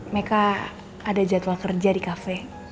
meka ada jadwal kerja di cafe